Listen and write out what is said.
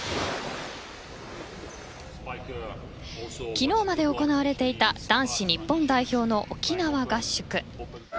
昨日まで行われていた男子日本代表の沖縄合宿。